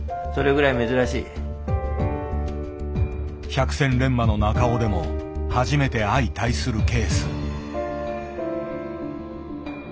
百戦錬磨の中尾でも初めて相対するケース。